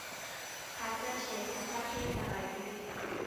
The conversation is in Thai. ผัดกระเฉดกับปลาเค็ม อร่อยดี